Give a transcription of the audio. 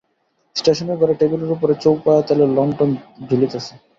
স্টেশনের ঘরে টেবিলের উপরে চৌপায়া তেলের লণ্ঠন জুলিতেছে।